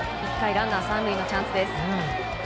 １回ランナー３塁のチャンスです。